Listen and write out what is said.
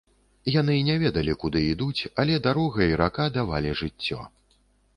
Яны не ведалі, куды ідуць, але дарога і рака давалі жыццё.